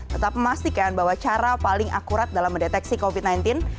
tetap memastikan bahwa cara paling akurat dalam mendeteksi covid sembilan belas